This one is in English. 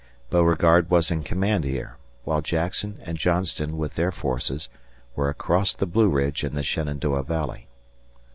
Beauregard was in command here, while Jackson and Johnston with their forces were across the Blue Ridge in the Shenandoah Valley.